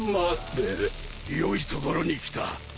よいところに来た。